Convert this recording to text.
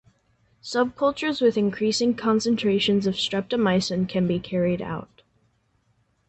Subcultures with increasing concentrations of streptomycin can be carried out.